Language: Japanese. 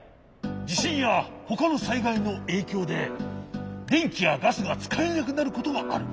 じしんやほかのさいがいのえいきょうででんきやガスがつかえなくなることがある。